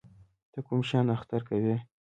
ته کوم شیان اختر کوې؟